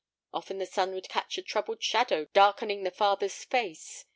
Often the son would catch a troubled shadow darkening the father's face.